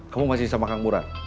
kamu masih bisa makan murah